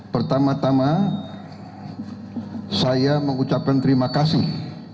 pertama tama saya mengucapkan terima kasih